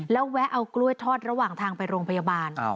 แล้วแวะเอากล้วยทอดระหว่างทางไปโรงพยาบาล